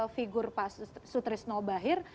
figur pak sutris nobahir